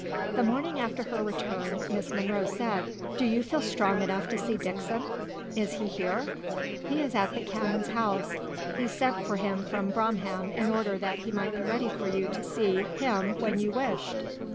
The morning after her return, Miss Monro said: "Do you feel strong enough to see Dixon?" "Is he here?" "He is at the canon's house. He sent for him from Bromham, in order that he might be ready for you to see him when you wished."